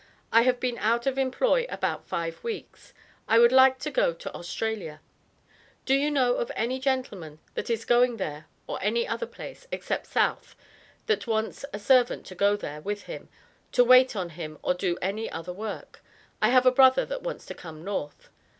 I have been out of employ about five weeks I would like to go to Australia. Do you know of any gentleman that is going there or any other place, except south that wants a servant to go there with him to wait on him or do any other work, I have a brother that wants to come north.